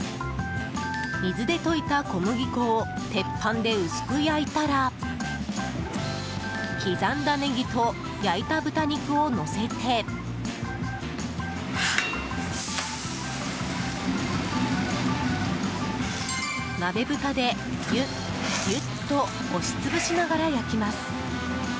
水で溶いた小麦粉を鉄板で薄く焼いたら刻んだネギと焼いた豚肉をのせて鍋ぶたでギュッギュッと押し潰しながら焼きます。